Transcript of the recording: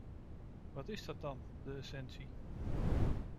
Wat is dat dan: de essentie?